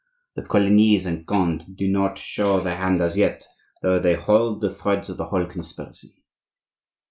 The Colignys and Condes do not show their hand as yet, though they hold the threads of the whole conspiracy."